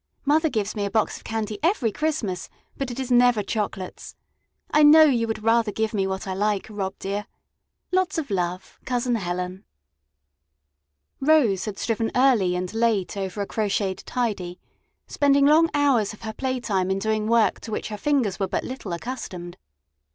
Mother gives me a box of candy every Christmas, but it is never chocolates. I know you would rather give me what I like, Rob, dear. Lots of love COUSIN HELEN Rose had striven early and late over a crocheted tidy, spending long hours of her playtime in doing work to which her fingers were but little accustomed.